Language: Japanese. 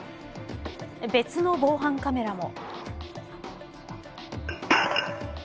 別の防犯カメラも。